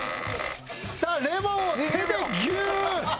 さあレモンを手でギューッ！